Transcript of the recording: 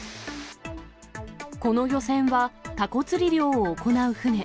この漁船は、タコ釣り漁を行う船。